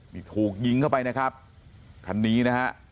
นี่ถูกยิงเข้าไปนะครับคันนี้นะฮะ